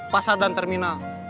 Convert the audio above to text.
pasar dan terminal